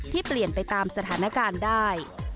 เปลี่ยนไปตามสถานการณ์ได้